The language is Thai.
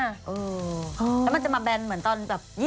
แล้วมันจะมาแบนเหมือนตอนแบบ